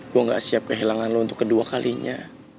gue gak siap kehilangan lo untuk kedua kalinya